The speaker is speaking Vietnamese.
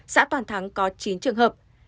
xã toàn thắng có chín trường hợp